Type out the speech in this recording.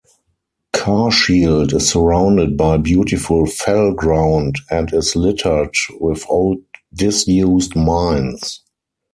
Carrshield is surrounded by beautiful fell ground and is littered with old disused mines.